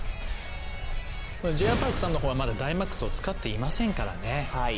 Ｊ．Ｙ．Ｐａｒｋさんのほうはまだダイマックスを使っていませんからね。